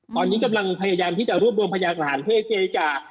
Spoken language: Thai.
ตอนนี้กำลังพยายามที่จะรวบรวมพยากฐานเพื่อเจรจา